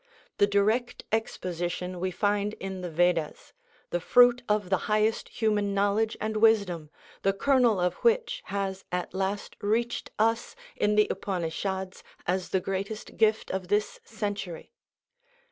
The direct exposition we find in the Vedas, the fruit of the highest human knowledge and wisdom, the kernel of which has at last reached us in the Upanishads as the greatest gift of this century.